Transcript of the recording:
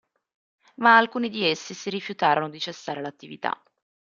Ma alcuni di essi si rifiutarono di cessare l'attività.